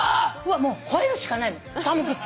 もう吠えるしかないの寒くって。